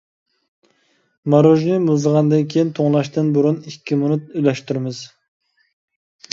ماروژنى مۇزلىغاندىن كېيىن، توڭلاشتىن بۇرۇن ئىككى مىنۇت ئىلەشتۈرىمىز.